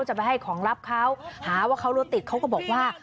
จะไปให้ของรับเขาหาว่าเขารถติดเขาก็บอกว่า